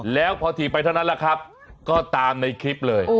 แล้วพอถีบไปเท่านั้นแหละครับก็ตามในคลิปเลย